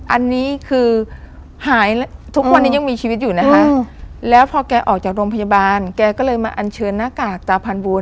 อันนี้คือหายทุกวันนี้ยังมีชีวิตอยู่นะคะแล้วพอแกออกจากโรงพยาบาลแกก็เลยมาอันเชิญหน้ากากตาพันบูรณ